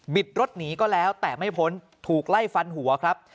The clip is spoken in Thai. รถหนีก็แล้วแต่ไม่พ้นถูกไล่ฟันหัวครับ